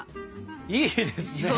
いいですね！